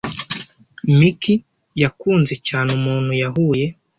Miki yakunze cyane umuntu yahuye.